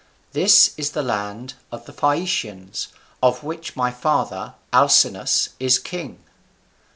This is the land of the Phaeacians, of which my father, Alcinous, is king."